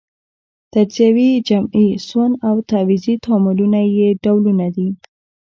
تجزیوي، جمعي، سون او تعویضي تعاملونه یې ډولونه دي.